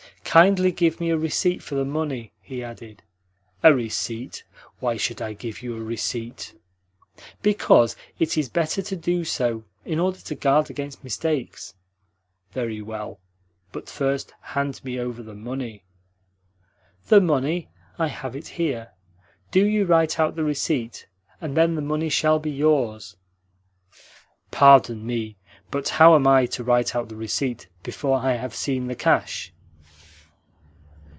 "Kindly give me a receipt for the money," he added. "A receipt? Why should I give you a receipt?" "Because it is better to do so, in order to guard against mistakes." "Very well; but first hand me over the money." "The money? I have it here. Do you write out the receipt, and then the money shall be yours." "Pardon me, but how am I to write out the receipt before I have seen the cash?"